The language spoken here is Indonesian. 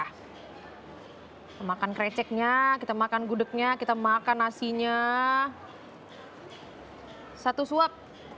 hai makan krecek nya kita makan gudeg nya kita makan aslinya satu suap